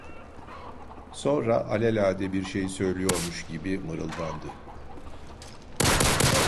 Sonra, alelade bir şey söylüyormuş gibi, mırıldandı.